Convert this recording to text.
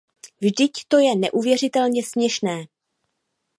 Vždyť to je neuvěřitelně směšné!